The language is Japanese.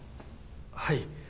はい。